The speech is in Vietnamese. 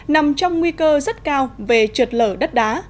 nằm trong nguy cơ rất cao về trượt lở đất đá